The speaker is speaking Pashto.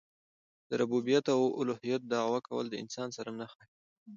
د ربوبیت او اولوهیت دعوه کول د انسان سره نه ښايي.